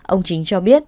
ông chính cho biết